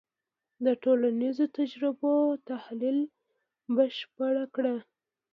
د ټولنیزو تجربو تحلیل بشپړ کړه.